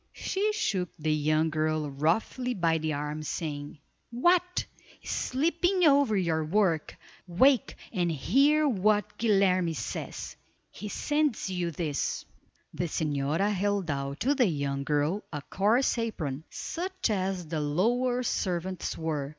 She shook the young girl roughly by the arm, saying, "What, sleeping over your work. Wake, and hear what Guilerme says. He sends you this!" The señora held out to the young girl a coarse apron, such as the lower servants wore.